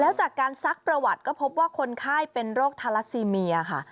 ว่าคนไข้เป็นโรคทาลัสซีเมียค่ะ